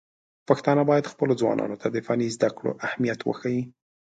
پښتانه بايد خپلو ځوانانو ته د فني زده کړو اهميت وښيي.